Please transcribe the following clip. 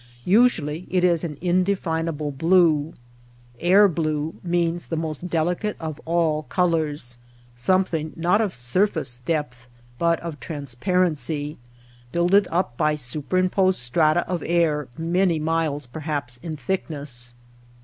Usually it is an inde finable blue. Air blue means the most delicate of all colors — something not of surface depth but of transparency, builded up by superim posed strata of air many miles perhaps in thickness.